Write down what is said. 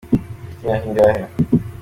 Ufite imyaka ingahe?